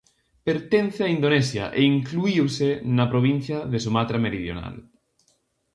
Pertence a Indonesia e incluíuse na provincia de Sumatra Meridional.